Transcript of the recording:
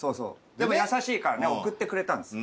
でも優しいから贈ってくれたんです